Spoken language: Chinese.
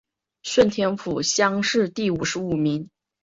顺天府乡试第五十五名。